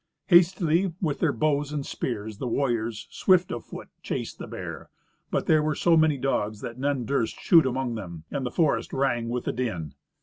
Hastily, with their bows and spears, the warriors, swift of foot, chased the bear, but there were so many dogs that none durst shoot among them, and the forest rang with the din.